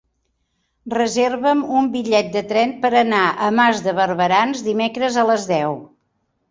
Reserva'm un bitllet de tren per anar a Mas de Barberans dimecres a les deu.